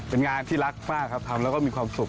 เป็นงานที่รักมากครับทำแล้วก็มีความสุข